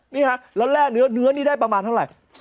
นี่ฮะแล้วแร่เนื้อนี่ได้ประมาณเท่าไหร่